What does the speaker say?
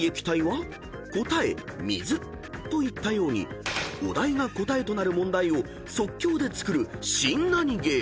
［答え「水」といったようにお題が答えとなる問題を即興で作る新ナニゲー］